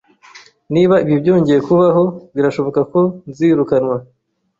Niba ibi byongeye kubaho, birashoboka ko nzirukanwa.